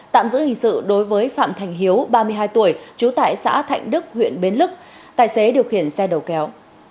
tạm giữ hình sự đối với phạm thành hiếu ba mươi hai tuổi trú tại xã thạnh đức huyện bến lức tài xế điều khiển xe đầu kéo